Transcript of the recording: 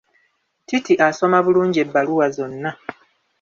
Titi asoma bulungi ebbaluwa zonna.